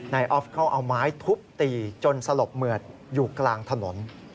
ออฟเขาเอาไม้ทุบตีจนสลบเหมือดอยู่กลางถนน